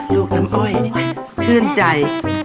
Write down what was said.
ลูกน้ำอ้อยชื่นใจ